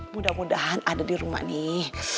mudah mudahan ada di rumah nih